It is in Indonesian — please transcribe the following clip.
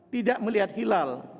tidak melihat hilal